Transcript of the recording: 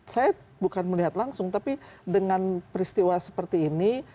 saya bukan melihat langsung tapi dengan peristiwa seperti ini